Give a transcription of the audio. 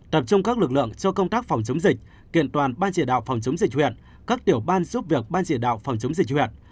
tập trung các lực lượng cho công tác phòng chống dịch kiện toàn ban chỉ đạo phòng chống dịch huyện các tiểu ban giúp việc ban chỉ đạo phòng chống dịch huyện